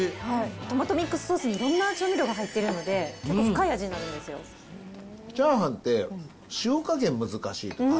トマトミックスソースにいろんな調味料が入っているので、結チャーハンって、塩加減、難しい。